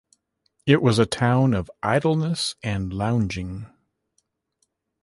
It was a town of idleness and lounging.